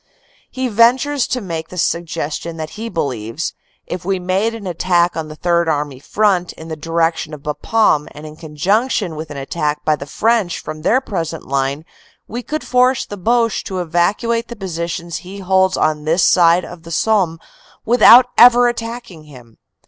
He ven tures to make the suggestion that he believes, "if we made an attack on the Third Army front in the direction of Bapaume, and in conjunction with an attack by the French from their present line, we could force the Boche to evacuate the positions he holds on this side of the Somme without ever attacking him."